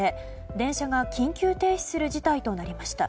電車が緊急停止する事態となりました。